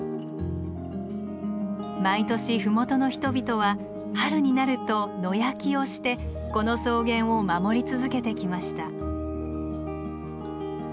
毎年麓の人々は春になると野焼きをしてこの草原を守り続けてきました。